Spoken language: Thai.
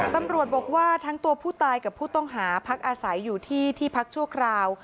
ตำรวจบอกว่าทั้งตัวผู้ตายกับผู้ต้องหาพักอาศัยอยู่ที่ที่พักชั่วคราว